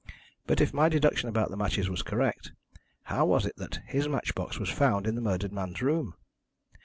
But if my deduction about the matches was correct, how was it that his match box was found in the murdered man's room?